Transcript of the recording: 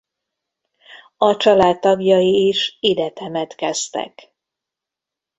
A család tagjai is ide temetkeztek.